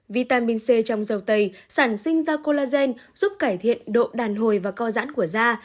vitamin c trong dầu tầy sản sinh ra colagen giúp cải thiện độ đàn hồi và co giãn của da